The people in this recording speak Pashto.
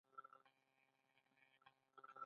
بدن د طبیعت تر ټولو ښکلی جوړڻت دی.